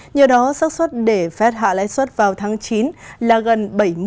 nhờ đó sắc suất để fed hạ lãi suất vào tháng chín là gần bảy mươi